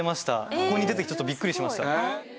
ここに出てちょっとビックリしました。